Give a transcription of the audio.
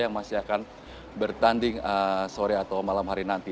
yang masih akan bertanding sore atau malam hari nanti